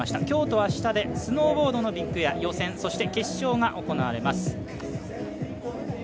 今日と明日でスノーボードのビッグエアの予選そして決勝が行われます。